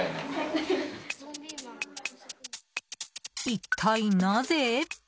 一体、なぜ？